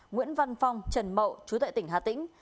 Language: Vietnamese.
nguyễn văn phong trần mậu chú tại tỉnh hà tĩnh